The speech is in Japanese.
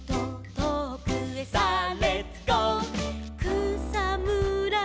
「くさむら